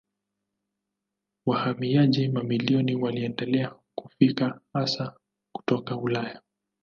Wahamiaji mamilioni waliendelea kufika hasa kutoka Ulaya.